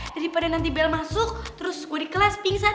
daripada nanti bel masuk terus gue di kelas pingsan